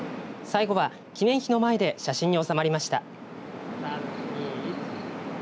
最後は記念碑の前で写真に収まりました。